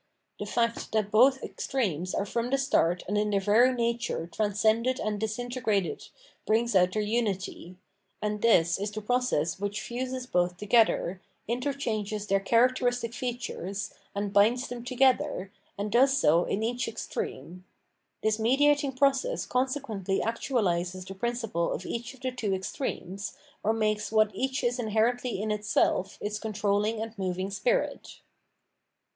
The fact that both extremes are from the start and in their very nature transcended and disintegrated brings out their unity; and this is the process which fuses both together, inter changes their characteristic features, and binds them together, and does so in each extreme. This mediating process consequently actuahses the principle of each of the two extremes, or makes what each is inherently in itself its controlling and moving spirit.